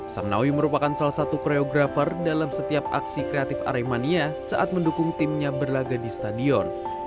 samnawi merupakan salah satu koreografer dalam setiap aksi kreatif aremania saat mendukung timnya berlaga di stadion